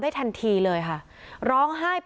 ขอบคุณครับ